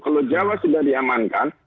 kalau jawa sudah diamankan